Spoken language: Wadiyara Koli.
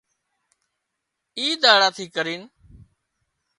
اي ۮاڙا ٿِي ڪرينَ